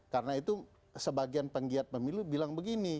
karena itu sebagian penggiat pemilu bilang begini